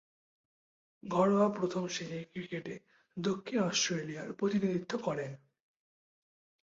ঘরোয়া প্রথম-শ্রেণীর ক্রিকেটে দক্ষিণ অস্ট্রেলিয়ার প্রতিনিধিত্ব করেন।